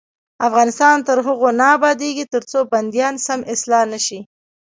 افغانستان تر هغو نه ابادیږي، ترڅو بندیان سم اصلاح نشي.